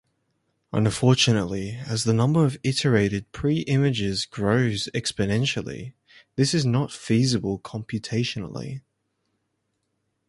Unfortunately, as the number of iterated pre-images grows exponentially, this is not feasible computationally.